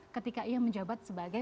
ketika ia menjabat sebagai